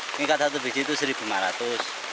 mengikat satu biji itu satu lima ratus